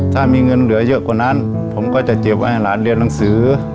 ถ้ามีเงินเหลือเยอะกว่านั้นผมก็จะเก็บไว้ให้หลานเรียนหนังสือ